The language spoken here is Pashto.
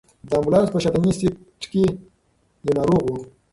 د امبولانس په شاتني سېټ کې یو ناروغ و.